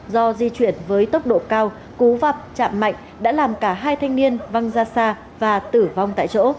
do di chuyển với tốc độ cao cú vạp chạm mạnh đã làm cả hai thanh niên văng ra xa và tử vong tại chỗ